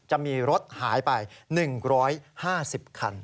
จะมีรถหายไป๑๕๐คัน